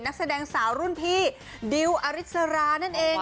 นักแสดงสาวรุ่นพี่ดิวอริสรานั่นเอง